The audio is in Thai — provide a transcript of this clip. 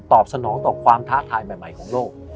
สนองต่อความท้าทายใหม่ของโลก